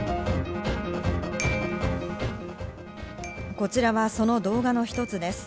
こちらはその動画の一つです。